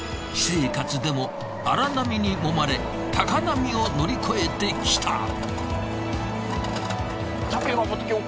私生活でも荒波にもまれ高波を乗り越えてきた。